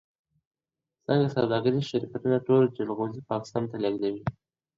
څنګه سوداګریز شرکتونه تور جلغوزي پاکستان ته لیږدوي؟